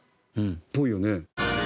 っぽいよね。